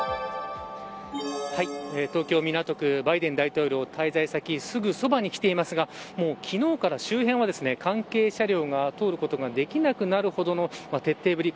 東京、港区、バイデン大統領滞在先、すぐそばに来ていますがもう昨日から周辺は関係車両が通ることができなくなるほどの徹底ぶり。